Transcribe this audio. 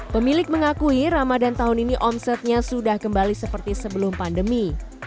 pemilik mengakui ramadan tahun ini omsetnya sudah kembali seperti sebelum pandemi